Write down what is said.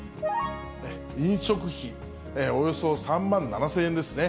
飲食費、およそ３万７０００円ですね。